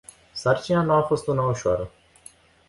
Sarcina nu a fost una ușoară.